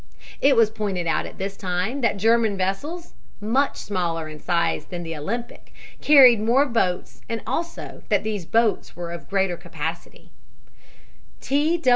It was pointed out at this time that German vessels, much smaller in size than the Olympic, carried more boats and also that these boats were of greater capacity.